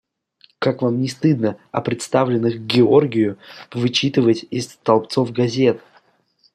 Как вам не стыдно о представленных к Георгию вычитывать из столбцов газет?!